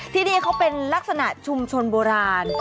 ที่นี่เขาเป็นลักษณะชุมชนโบราณ